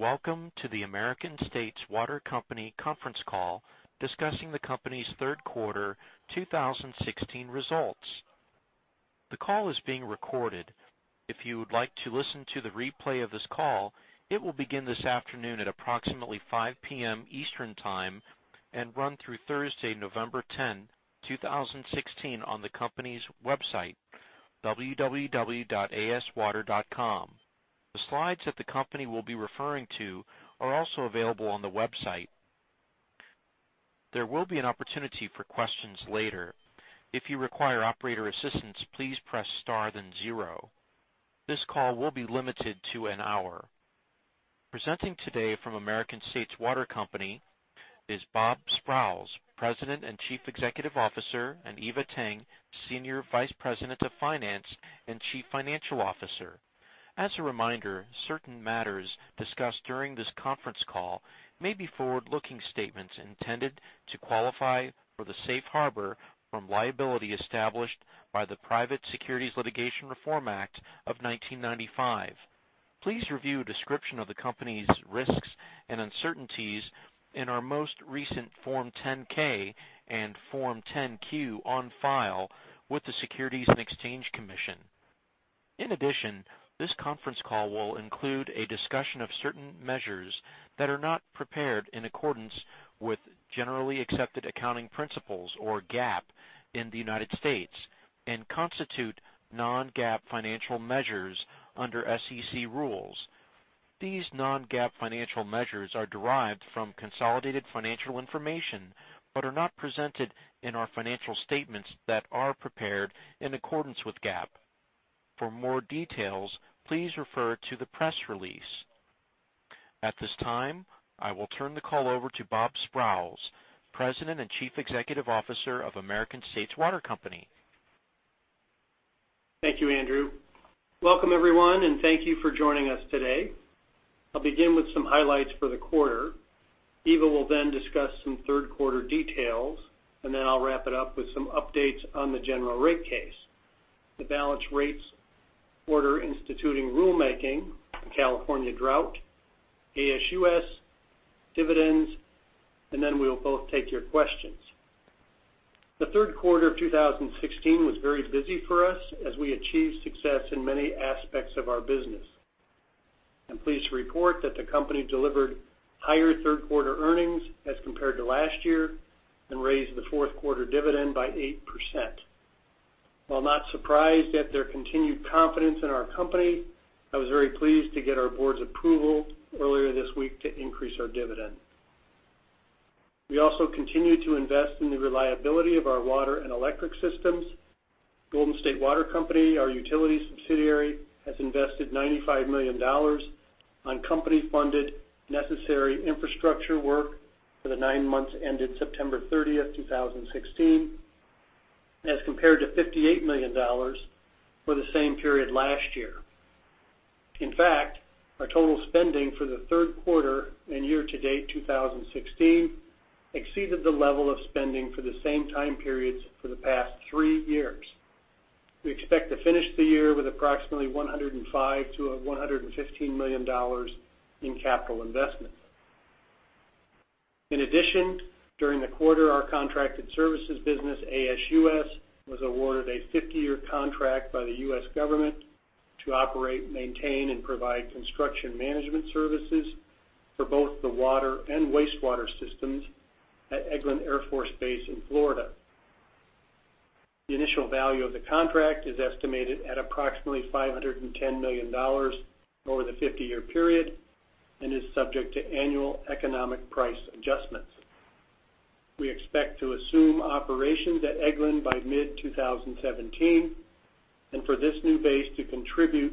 Welcome to the American States Water Company conference call discussing the company's third quarter 2016 results. The call is being recorded. If you would like to listen to the replay of this call, it will begin this afternoon at approximately 5:00 P.M. Eastern Time and run through Thursday, November 10, 2016, on the company's website, www.aswater.com. The slides that the company will be referring to are also available on the website. There will be an opportunity for questions later. If you require operator assistance, please press star then zero. This call will be limited to an hour. Presenting today from American States Water Company is Bob Sprowls, President and Chief Executive Officer, and Eva Tang, Senior Vice President of Finance and Chief Financial Officer. As a reminder, certain matters discussed during this conference call may be forward-looking statements intended to qualify for the safe harbor from liability established by the Private Securities Litigation Reform Act of 1995. Please review a description of the company's risks and uncertainties in our most recent Form 10-K and Form 10-Q on file with the Securities and Exchange Commission. This conference call will include a discussion of certain measures that are not prepared in accordance with generally accepted accounting principles or GAAP in the United States and constitute non-GAAP financial measures under SEC rules. These non-GAAP financial measures are derived from consolidated financial information but are not presented in our financial statements that are prepared in accordance with GAAP. For more details, please refer to the press release. At this time, I will turn the call over to Bob Sprowls, President and Chief Executive Officer of American States Water Company. Thank you, Andrew. Welcome, everyone, and thank you for joining us today. I'll begin with some highlights for the quarter. Eva will then discuss some third quarter details, and then I'll wrap it up with some updates on the general rate case, the balanced rates Order Instituting Rulemaking, the California drought, ASUS, dividends, and then we will both take your questions. The third quarter of 2016 was very busy for us as we achieved success in many aspects of our business. I'm pleased to report that the company delivered higher third-quarter earnings as compared to last year and raised the fourth quarter dividend by 8%. While not surprised at their continued confidence in our company, I was very pleased to get our board's approval earlier this week to increase our dividend. We also continue to invest in the reliability of our water and electric systems. Golden State Water Company, our utility subsidiary, has invested $95 million on company-funded necessary infrastructure work for the nine months ended September 30, 2016, as compared to $58 million for the same period last year. In fact, our total spending for the third quarter and year-to-date 2016 exceeded the level of spending for the same time periods for the past three years. We expect to finish the year with approximately $105 million-$115 million in capital investments. In addition, during the quarter, our contracted services business, ASUS, was awarded a 50-year contract by the U.S. government to operate, maintain, and provide construction management services for both the water and wastewater systems at Eglin Air Force Base in Florida. The initial value of the contract is estimated at approximately $510 million over the 50-year period and is subject to annual economic price adjustments. We expect to assume operations at Eglin by mid-2017 and for this new base to contribute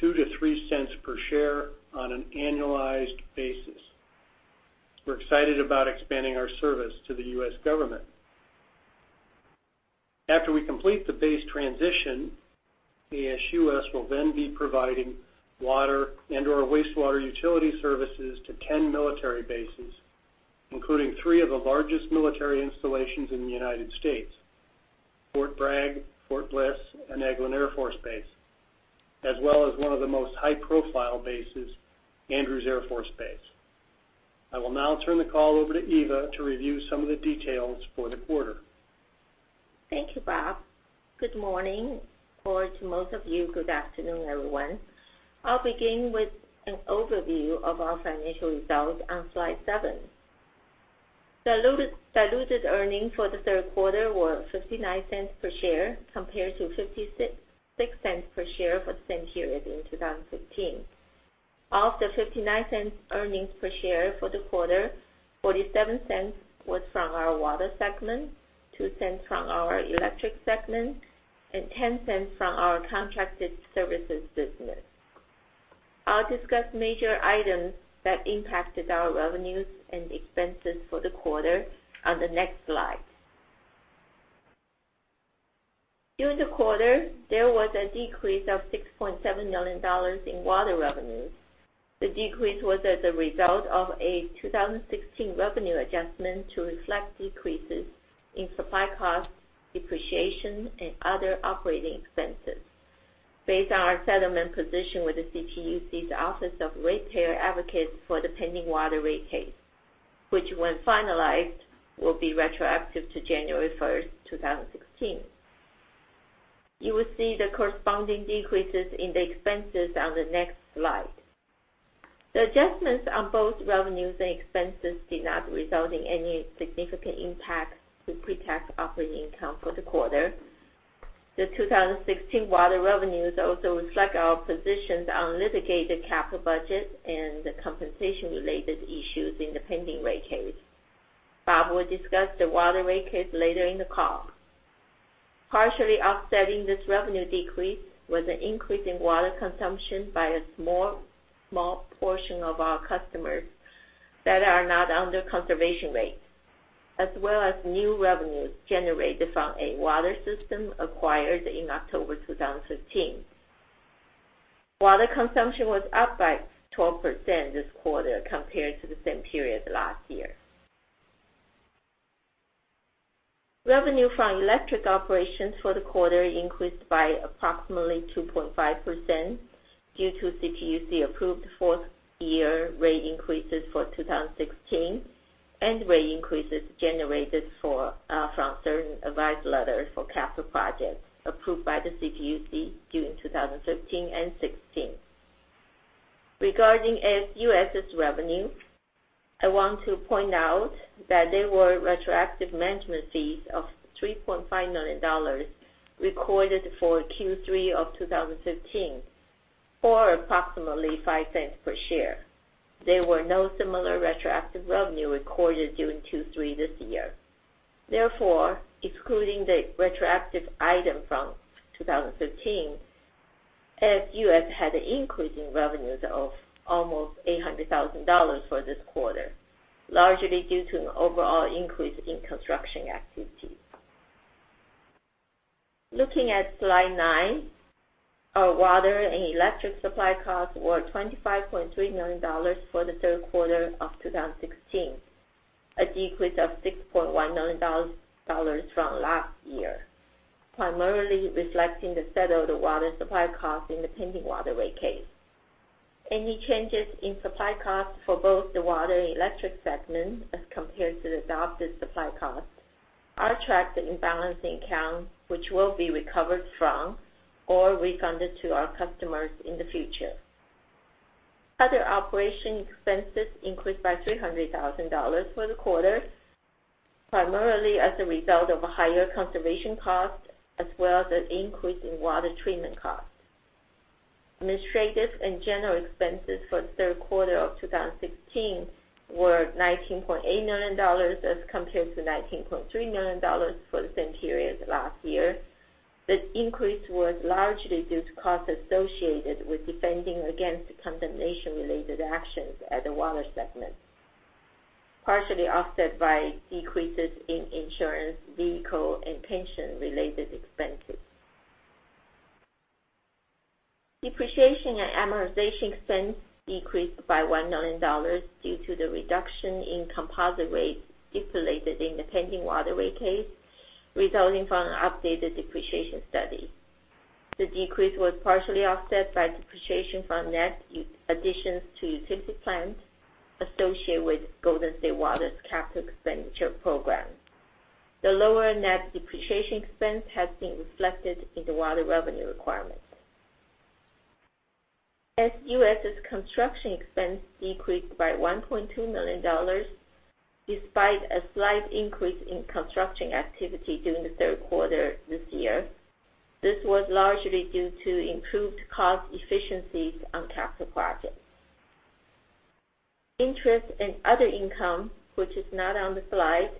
$0.02 to $0.03 per share on an annualized basis. We are excited about expanding our service to the U.S. government. After we complete the base transition, ASUS will then be providing water and/or wastewater utility services to 10 military bases, including three of the largest military installations in the U.S., Fort Bragg, Fort Bliss, and Eglin Air Force Base, as well as one of the most high-profile bases, Andrews Air Force Base. I will now turn the call over to Eva to review some of the details for the quarter. Thank you, Bob. Good morning, or to most of you, good afternoon, everyone. I will begin with an overview of our financial results on slide seven. Diluted earnings for the third quarter were $0.59 per share compared to $0.56 per share for the same period in 2015. Of the $0.59 earnings per share for the quarter, $0.47 was from our water segment, $0.02 from our electric segment, and $0.10 from our contracted services business. I will discuss major items that impacted our revenues and expenses for the quarter on the next slide. During the quarter, there was a decrease of $6.7 million in water revenues. The decrease was as a result of a 2016 revenue adjustment to reflect decreases in supply costs depreciation, and other operating expenses based on our settlement position with the CPUC's Office of Ratepayer Advocates for the pending water rate case, which, when finalized, will be retroactive to January 1, 2016. You will see the corresponding decreases in the expenses on the next slide. The adjustments on both revenues and expenses did not result in any significant impact to pre-tax operating income for the quarter. The 2016 water revenues also reflect our positions on litigated capital budget and the compensation-related issues in the pending rate case. Bob will discuss the water rate case later in the call. Partially offsetting this revenue decrease was an increase in water consumption by a small portion of our customers that are not under conservation rates, as well as new revenues generated from a water system acquired in October 2015. Water consumption was up by 12% this quarter compared to the same period last year. Revenue from electric operations for the quarter increased by approximately 2.5% due to CPUC-approved fourth-year rate increases for 2016 and rate increases generated from certain advice letters for capital projects approved by the CPUC during 2015 and 2016. Regarding ASUS's revenue, I want to point out that there were retroactive management fees of $3.5 million recorded for Q3 2015, or approximately $0.05 per share. There were no similar retroactive revenue recorded during Q3 this year. Excluding the retroactive item from 2015, ASUS had an increase in revenues of almost $800,000 for this quarter, largely due to an overall increase in construction activity. Looking at slide nine, our water and electric supply costs were $25.3 million for the third quarter of 2016, a decrease of $6.1 million from last year, primarily reflecting the settled water supply cost in the pending water rate case. Any changes in supply costs for both the water and electric segments as compared to the adopted supply costs are tracked in balancing accounts, which will be recovered from or refunded to our customers in the future. Other operation expenses increased by $300,000 for the quarter, primarily as a result of higher conservation costs, as well as an increase in water treatment costs. Administrative and general expenses for the third quarter of 2016 were $19.8 million as compared to $19.3 million for the same period last year. This increase was largely due to costs associated with defending against contamination-related actions at the water segment, partially offset by decreases in insurance, vehicle, and pension-related expenses. Depreciation and amortization expense decreased by $1 million due to the reduction in composite rates stipulated in the pending water rate case, resulting from an updated depreciation study. The decrease was partially offset by depreciation from net additions to utility plants associated with Golden State Water's capital expenditure program. The lower net depreciation expense has been reflected in the water revenue requirement. ASUS's construction expense decreased by $1.2 million, despite a slight increase in construction activity during the third quarter this year. This was largely due to improved cost efficiencies on capital projects. Interest and other income, which is not on the slide,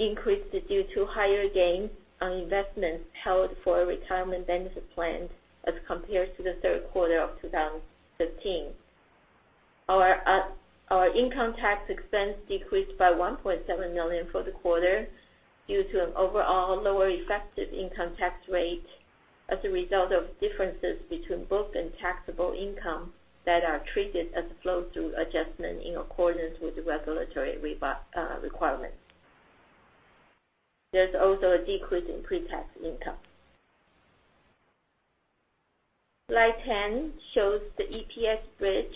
increased due to higher gains on investments held for a retirement benefit plan as compared to the third quarter of 2015. Our income tax expense decreased by $1.7 million for the quarter due to an overall lower effective income tax rate as a result of differences between book and taxable income that are treated as a flow-through adjustment in accordance with the regulatory requirements. There's also a decrease in pre-tax income. Slide 10 shows the EPS bridge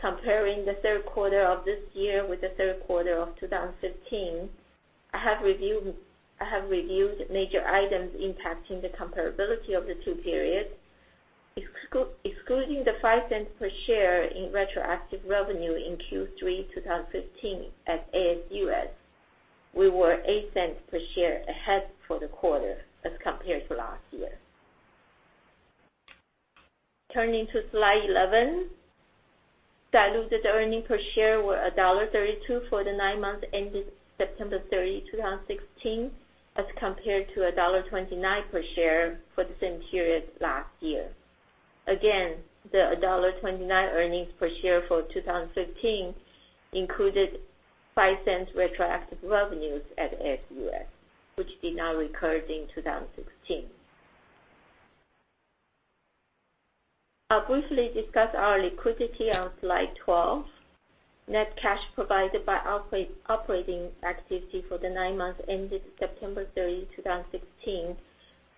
comparing the third quarter of this year with the third quarter of 2015. I have reviewed major items impacting the comparability of the two periods. Excluding the $0.05 per share in retroactive revenue in Q3 2015 at ASUS, we were $0.08 per share ahead for the quarter as compared to last year. Turning to slide 11, diluted earnings per share were $1.32 for the nine months ended September 30, 2016, as compared to $1.29 per share for the same period last year. The $1.29 earnings per share for 2015 included $0.05 retroactive revenues at ASUS, which did not recur in 2016. I'll briefly discuss our liquidity on slide 12. Net cash provided by operating activity for the nine months ended September 30, 2016,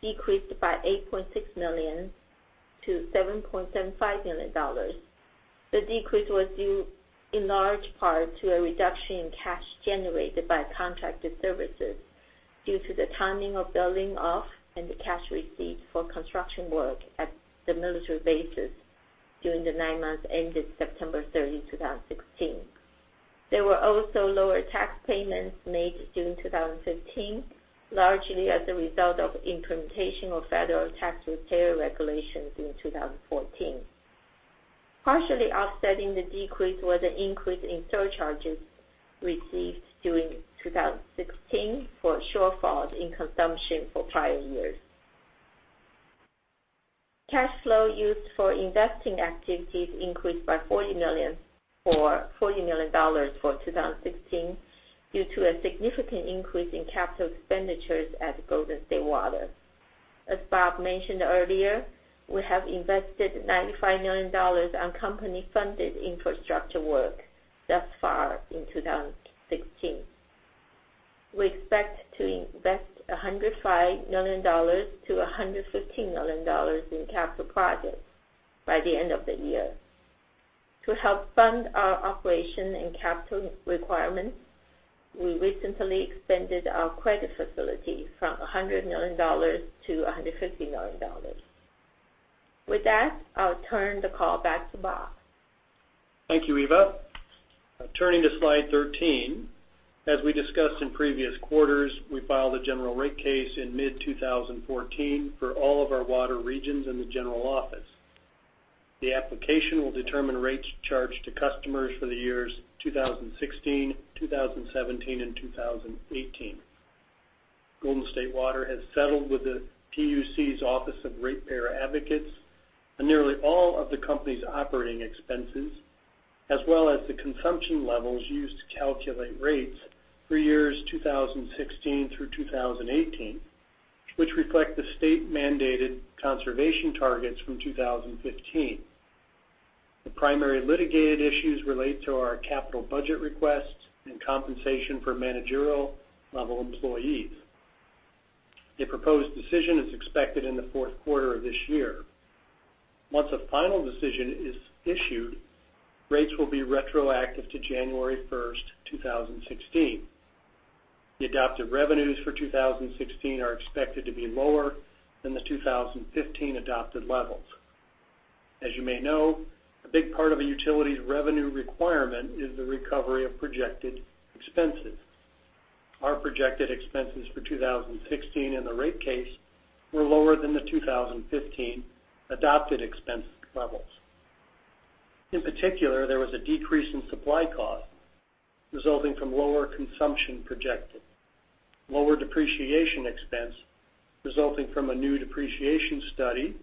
decreased by $8.6 million to $7.75 million. The decrease was due in large part to a reduction in cash generated by contracted services due to the timing of billing off and the cash receipt for construction work at the military bases during the nine months ended September 30, 2016. There were also lower tax payments made during 2015, largely as a result of implementation of federal tax reform regulations in 2014. Partially offsetting the decrease was an increase in surcharges received during 2016 for a shortfall in consumption for prior years. Cash flow used for investing activities increased by $40 million for 2016 due to a significant increase in capital expenditures at Golden State Water. As Bob mentioned earlier, we have invested $95 million on company-funded infrastructure work thus far in 2016. We expect to invest $105 million to $115 million in capital projects by the end of the year. To help fund our operation and capital requirements, we recently expanded our credit facility from $100 million to $150 million. With that, I'll turn the call back to Bob. Thank you, Eva. Turning to slide 13. We discussed in previous quarters, we filed a general rate case in mid-2014 for all of our water regions in the general office. The application will determine rates charged to customers for the years 2016, 2017, and 2018. Golden State Water has settled with the PUC's Office of Ratepayer Advocates on nearly all of the company's operating expenses, as well as the consumption levels used to calculate rates for years 2016 through 2018, which reflect the state-mandated conservation targets from 2015. The primary litigated issues relate to our capital budget requests and compensation for managerial-level employees. The proposed decision is expected in the fourth quarter of this year. Once a final decision is issued, rates will be retroactive to January 1st, 2016. The adopted revenues for 2016 are expected to be lower than the 2015 adopted levels. You may know, a big part of a utility's revenue requirement is the recovery of projected expenses. Our projected expenses for 2016 in the rate case were lower than the 2015 adopted expense levels. In particular, there was a decrease in supply costs resulting from lower consumption projected, lower depreciation expense resulting from a new depreciation study,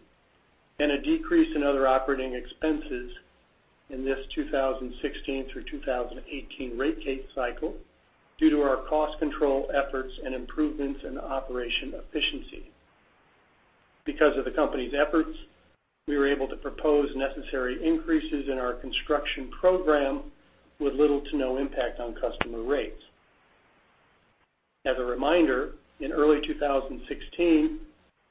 and a decrease in other operating expenses in this 2016 through 2018 rate case cycle due to our cost control efforts and improvements in operation efficiency. The company's efforts, we were able to propose necessary increases in our construction program with little to no impact on customer rates. As a reminder, in early 2016,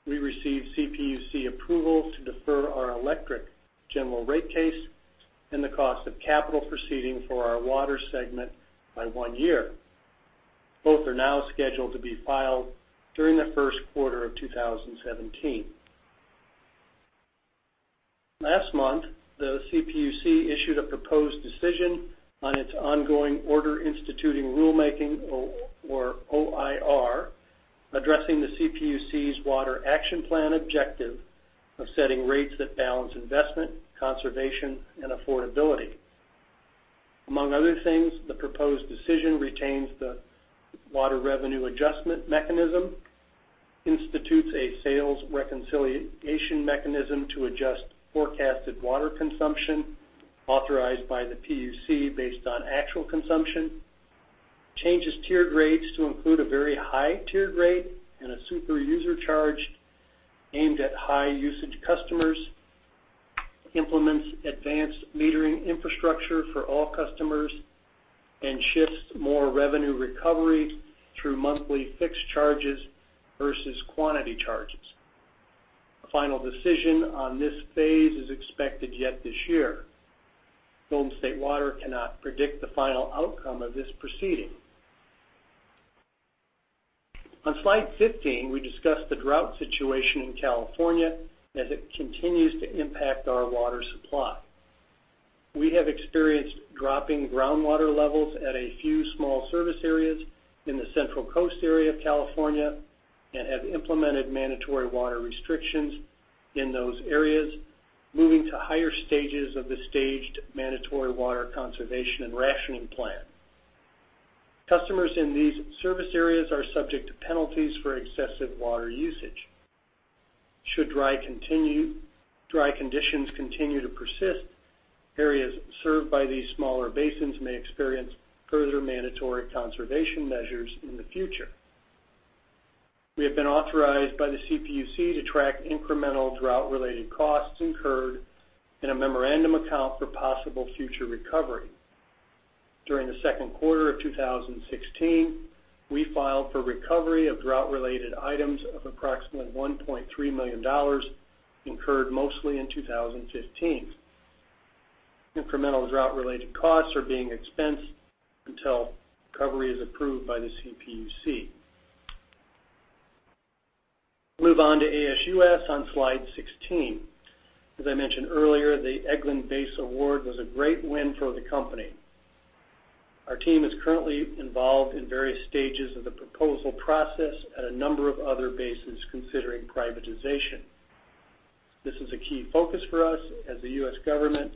we received CPUC approval to defer our electric general rate case and the cost of capital proceeding for our water segment by one year. Both are now scheduled to be filed during the first quarter of 2017. Last month, the CPUC issued a proposed decision on its ongoing Order Instituting Rulemaking, or OIR, addressing the CPUC's Water Action Plan objective of setting rates that balance investment, conservation, and affordability. Among other things, the proposed decision retains the water revenue adjustment mechanism, institutes a sales reconciliation mechanism to adjust forecasted water consumption authorized by the PUC based on actual consumption, changes tiered rates to include a very high tier rate and a super user charge aimed at high usage customers, implements advanced metering infrastructure for all customers, and shifts more revenue recovery through monthly fixed charges versus quantity charges. A final decision on this phase is expected yet this year. Golden State Water cannot predict the final outcome of this proceeding. On slide 15, we discuss the drought situation in California as it continues to impact our water supply. We have experienced dropping groundwater levels at a few small service areas in the Central Coast area of California and have implemented mandatory water restrictions in those areas, moving to higher stages of the staged mandatory water conservation and rationing plan. Customers in these service areas are subject to penalties for excessive water usage. Should dry conditions continue to persist, areas served by these smaller basins may experience further mandatory conservation measures in the future. We have been authorized by the CPUC to track incremental drought-related costs incurred in a memorandum account for possible future recovery. During the second quarter of 2016, we filed for recovery of drought-related items of approximately $1.3 million, incurred mostly in 2015. Incremental drought-related costs are being expensed until recovery is approved by the CPUC. Move on to ASUS on slide 16. As I mentioned earlier, the Eglin Base award was a great win for the company. Our team is currently involved in various stages of the proposal process at a number of other bases considering privatization. This is a key focus for us, as the U.S. government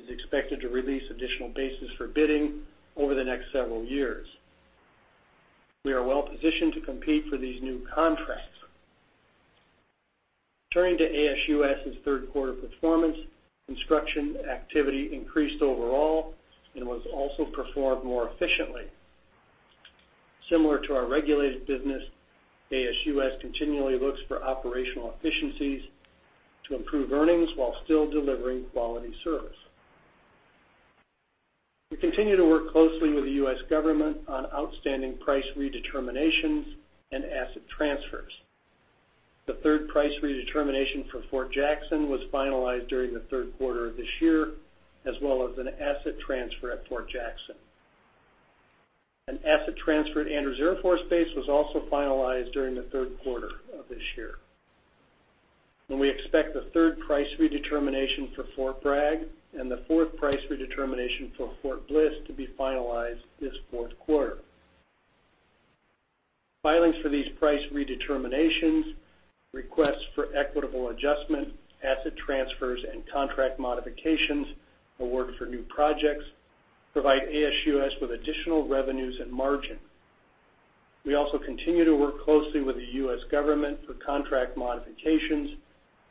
is expected to release additional bases for bidding over the next several years. We are well-positioned to compete for these new contracts. Turning to ASUS's third quarter performance, construction activity increased overall and was also performed more efficiently. Similar to our regulated business, ASUS continually looks for operational efficiencies to improve earnings while still delivering quality service. We continue to work closely with the U.S. government on outstanding price redeterminations and asset transfers. The third price redetermination for Fort Jackson was finalized during the third quarter of this year, as well as an asset transfer at Fort Jackson. An asset transfer at Andrews Air Force Base was also finalized during the third quarter of this year. We expect the third price redetermination for Fort Bragg and the fourth price redetermination for Fort Bliss to be finalized this fourth quarter. Filings for these price redeterminations, requests for equitable adjustment, asset transfers, and contract modifications, awards for new projects provide ASUS with additional revenues and margin. We also continue to work closely with the U.S. government for contract modifications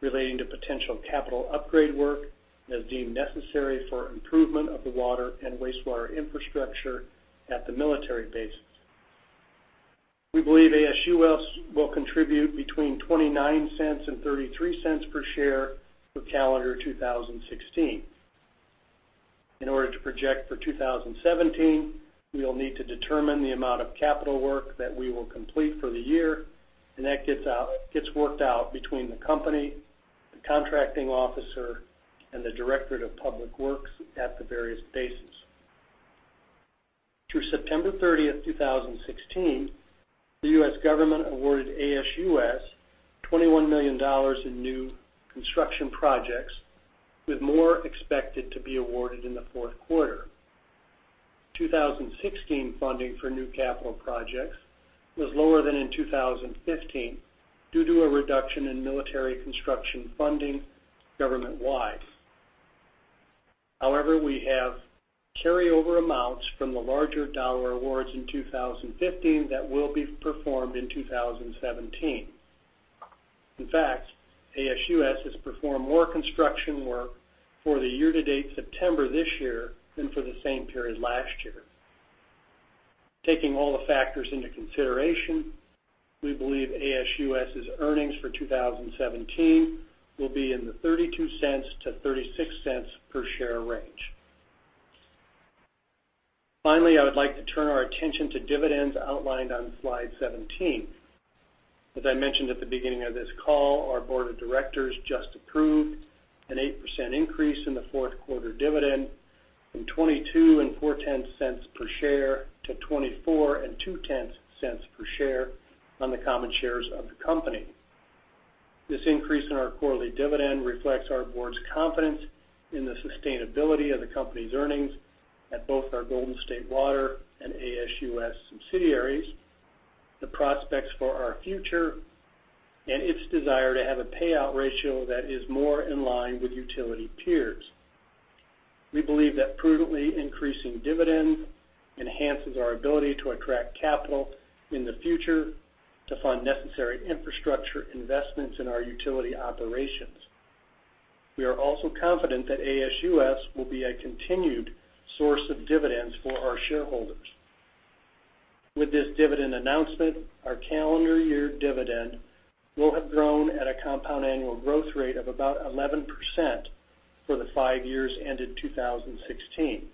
relating to potential capital upgrade work as deemed necessary for improvement of the water and wastewater infrastructure at the military bases. We believe ASUS will contribute between $0.29 and $0.33 per share for calendar 2016. In order to project for 2017, we will need to determine the amount of capital work that we will complete for the year, and that gets worked out between the company, the contracting officer, and the Directorate of Public Works at the various bases. Through September 30th, 2016, the U.S. government awarded ASUS $21 million in new construction projects, with more expected to be awarded in the fourth quarter. 2016 funding for new capital projects was lower than in 2015 due to a reduction in military construction funding government-wide. However, we have carryover amounts from the larger dollar awards in 2015 that will be performed in 2017. In fact, ASUS has performed more construction work for the year-to-date September this year than for the same period last year. Taking all the factors into consideration, we believe ASUS's earnings for 2017 will be in the $0.32 to $0.36 per share range. Finally, I would like to turn our attention to dividends outlined on slide 17. As I mentioned at the beginning of this call, our board of directors just approved an 8% increase in the fourth quarter dividend from $0.224 per share to $0.242 per share on the common shares of the company. This increase in our quarterly dividend reflects our board's confidence in the sustainability of the company's earnings at both our Golden State Water and ASUS subsidiaries, the prospects for our future, and its desire to have a payout ratio that is more in line with utility peers. We believe that prudently increasing dividends enhances our ability to attract capital in the future to fund necessary infrastructure investments in our utility operations. We are also confident that ASUS will be a continued source of dividends for our shareholders. With this dividend announcement, our calendar year dividend will have grown at a compound annual growth rate of about 11% for the five years ended 2016.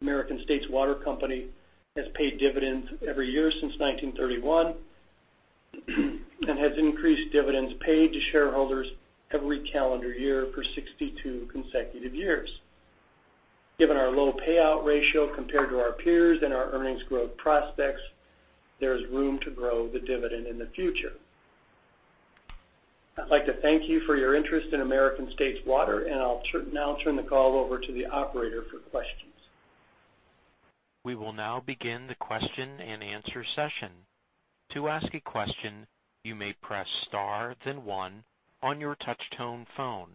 American States Water Company has paid dividends every year since 1931 and has increased dividends paid to shareholders every calendar year for 62 consecutive years. Given our low payout ratio compared to our peers and our earnings growth prospects, there is room to grow the dividend in the future. I'd like to thank you for your interest in American States Water, and I'll now turn the call over to the operator for questions. We will now begin the question and answer session. To ask a question, you may press star then one on your touch-tone phone.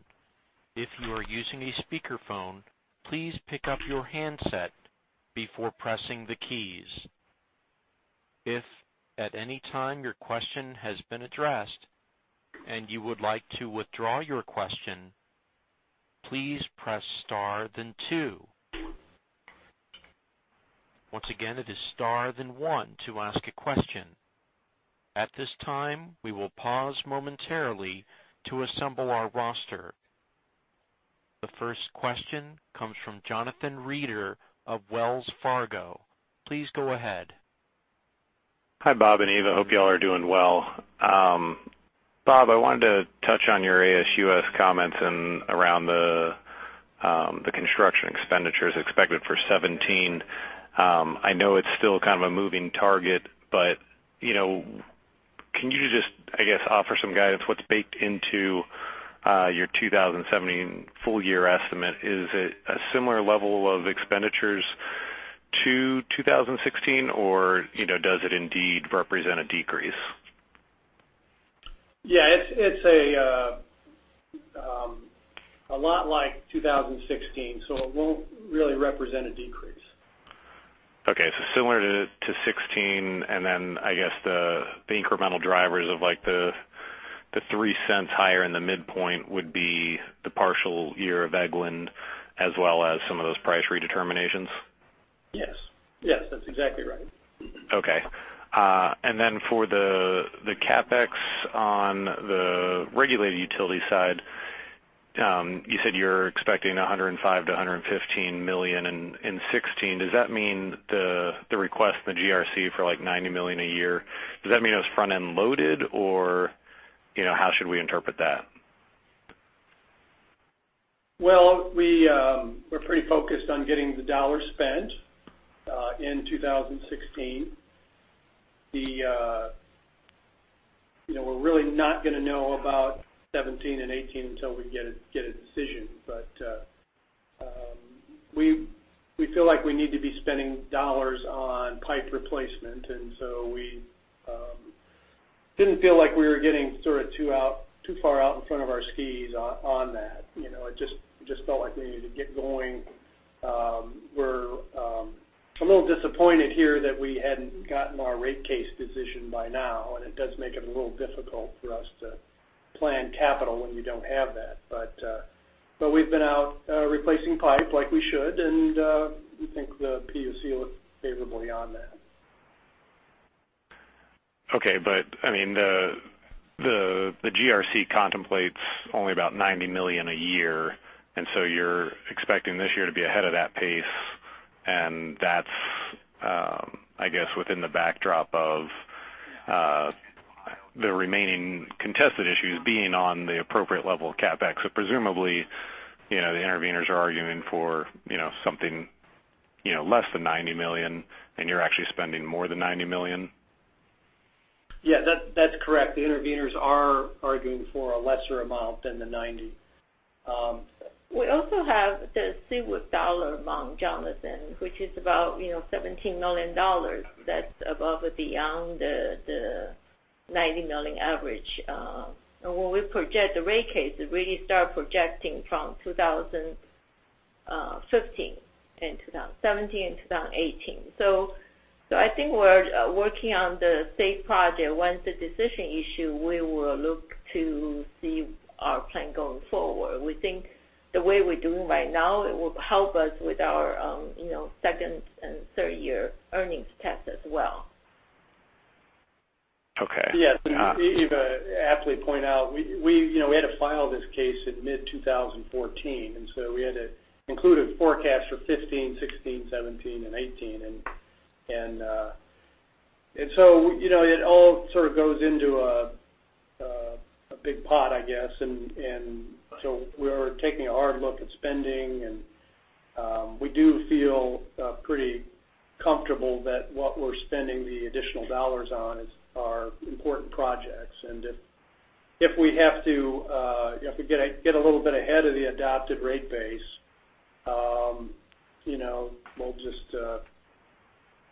If you are using a speakerphone, please pick up your handset before pressing the keys. If at any time your question has been addressed and you would like to withdraw your question, please press star then two. Once again, it is star then one to ask a question. At this time, we will pause momentarily to assemble our roster. The first question comes from Jonathan Reeder of Wells Fargo. Please go ahead. Hi, Bob and Eva. Hope you all are doing well. Bob, I wanted to touch on your ASUS comments and around the construction expenditures expected for 2017. I know it's still a moving target, but can you just, I guess, offer some guidance what's baked into your 2017 full year estimate? Is it a similar level of expenditures to 2016, or does it indeed represent a decrease? Yeah, it's a lot like 2016. It won't really represent a decrease. Okay. Similar to 2016. I guess the incremental drivers of the $0.03 higher in the midpoint would be the partial year of Eglin as well as some of those price redeterminations? Yes, that's exactly right. Okay. For the CapEx on the regulated utility side, you said you're expecting $105 million-$115 million in 2016. Does that mean the request, the GRC for like $90 million a year, does that mean it was front-end loaded, or how should we interpret that? Well, we're pretty focused on getting the dollar spent in 2016. We're really not going to know about 2017 and 2018 until we get a decision. We feel like we need to be spending dollars on pipe replacement, so we didn't feel like we were getting sort of too far out in front of our skis on that. It just felt like we needed to get going. We're a little disappointed here that we hadn't gotten our rate case decision by now, it does make it a little difficult for us to plan capital when we don't have that. We've been out replacing pipe like we should, we think the PUC looks favorably on that. Okay. The GRC contemplates only about $90 million a year, you're expecting this year to be ahead of that pace, that's, I guess within the backdrop of the remaining contested issues being on the appropriate level of CapEx. Presumably, the interveners are arguing for something less than $90 million, you're actually spending more than $90 million? Yeah, that's correct. The interveners are arguing for a lesser amount than the $90. We also have the CEWAC dollar amount, Jonathan, which is about $17 million. That's above and beyond the $90 million average. When we project the rate case, we start projecting from 2015 and 2017 and 2018. I think we're working on the [SAFER] project. Once the decision issue, we will look to see our plan going forward. We think the way we're doing right now, it will help us with our second and third-year earnings test as well. Okay. Yes. Eva aptly point out, we had to file this case in mid-2014, we had to include a forecast for 2015, 2016, 2017, and 2018. It all sort of goes into a big pot, I guess. We're taking a hard look at spending, and we do feel pretty comfortable that what we're spending the additional dollars on are important projects. If we have to get a little bit ahead of the adopted rate base,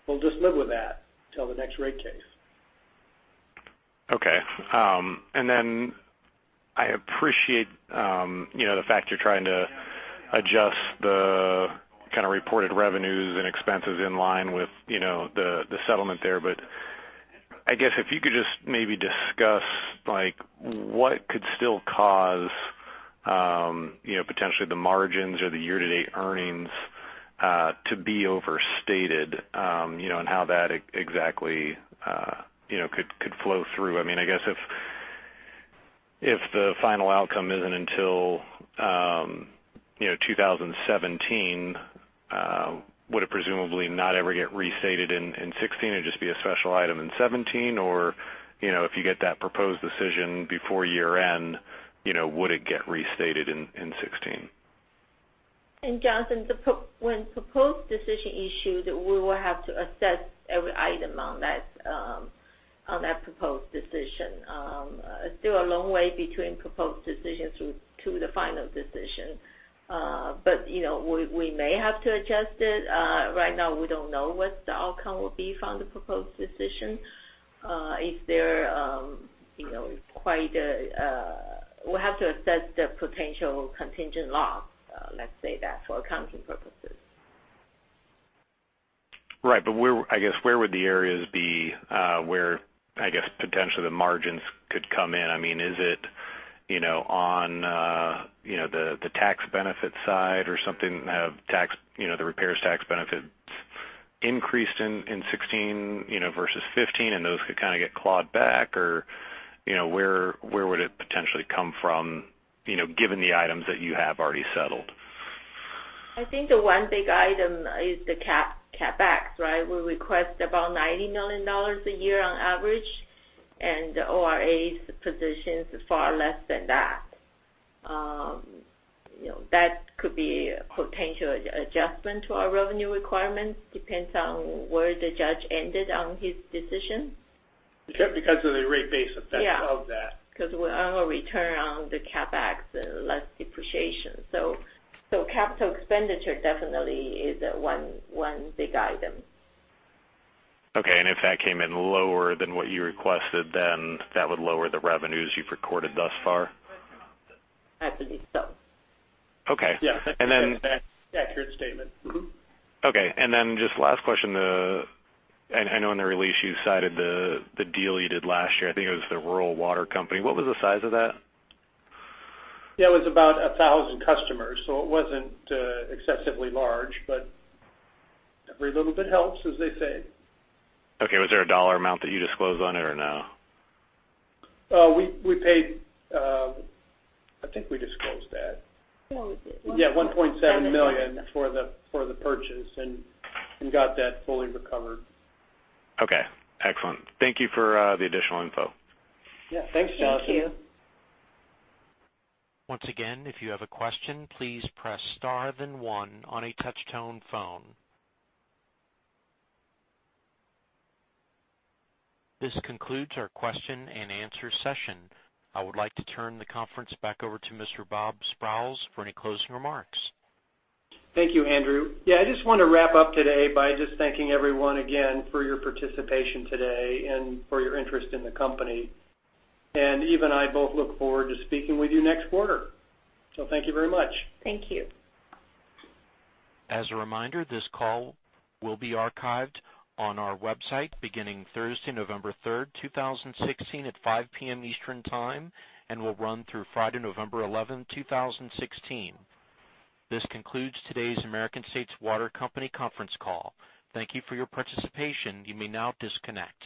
we'll just live with that till the next rate case. Okay. I appreciate the fact you're trying to adjust the kind of reported revenues and expenses in line with the settlement there. I guess if you could just maybe discuss what could still cause potentially the margins or the year-to-date earnings to be overstated, and how that exactly could flow through. I guess if the final outcome isn't until 2017, would it presumably not ever get restated in 2016? It'd just be a special item in 2017? If you get that proposed decision before year-end, would it get restated in 2016? Jonathan, when proposed decision issues, we will have to assess every item on that proposed decision. Still a long way between proposed decision to the final decision. We may have to adjust it. Right now, we don't know what the outcome will be from the proposed decision. We have to assess the potential contingent loss, let's say that, for accounting purposes. Right. I guess where would the areas be where, I guess, potentially the margins could come in? Is it on the tax benefit side or something? Have the repairs tax benefits increased in 2016 versus 2015, and those could get clawed back? Where would it potentially come from, given the items that you have already settled? I think the one big item is the CapEx, right? We request about $90 million a year on average, and ORA's position's far less than that. That could be a potential adjustment to our revenue requirements. Depends on where the judge ended on his decision. Because of the rate base effects of that. Yeah. Because we're on a return on the CapEx and less depreciation. Capital expenditure definitely is one big item. Okay. If that came in lower than what you requested, then that would lower the revenues you've recorded thus far? That could be. Okay. Yeah. That's an accurate statement. Okay. Just last question. I know in the release you cited the deal you did last year. I think it was the Rural Water Company. What was the size of that? Yeah, it was about 1,000 customers. It wasn't excessively large, but every little bit helps, as they say. Okay. Was there a $ amount that you disclosed on it or no? We paid, I think we disclosed that. No, we did. Yeah, $1.7 million for the purchase and got that fully recovered. Okay, excellent. Thank you for the additional info. Yeah. Thanks, Jonathan. Thank you. Once again, if you have a question, please press star then one on a touch-tone phone. This concludes our question and answer session. I would like to turn the conference back over to Mr. Bob Sprowls for any closing remarks. Thank you, Andrew. I just want to wrap up today by just thanking everyone again for your participation today and for your interest in the company. Eva and I both look forward to speaking with you next quarter. Thank you very much. Thank you. As a reminder, this call will be archived on our website beginning Thursday, November 3rd, 2016, at 5:00 P.M. Eastern Time and will run through Friday, November 11, 2016. This concludes today's American States Water Company conference call. Thank you for your participation. You may now disconnect.